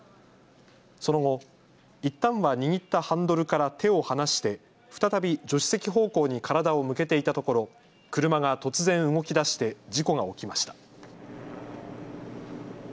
その後、いったんは握ったハンドルから手を離して再び助手席方向に体を向けていたところ、車が突然動きだして事故が起きました。